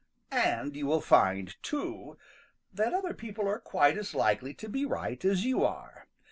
= |AND you will find, too, that other people are quite as likely to be right as you are.